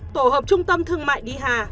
tổ hợp trung tâm thương mại dh